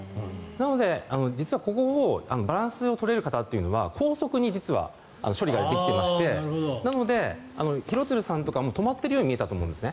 なので、実はここのバランスの取れる方というのは高速に実は、処理ができていましてなので、廣津留さんとか止まっているように見えたと思うんです。